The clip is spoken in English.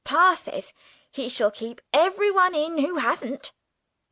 Pa says he shall keep everyone in who hasn't.